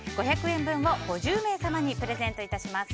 ５００円分を５０名様にプレゼントいたします。